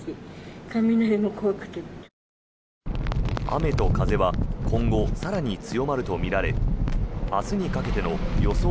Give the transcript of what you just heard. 雨と風は今後、更に強まるとみられ明日にかけての予想